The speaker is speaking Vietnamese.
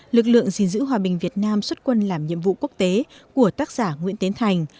lực lượng gìn giữ hòa bình việt nam xuất quân làm nhiệm vụ quốc tế của tác giả nguyễn tiến thành